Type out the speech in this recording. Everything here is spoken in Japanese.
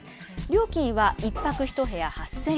料金は１泊１部屋８０００円。